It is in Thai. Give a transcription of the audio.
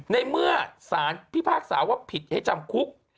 ในเมื่อพี่ภาคสาวว่าผิดให้จำคุก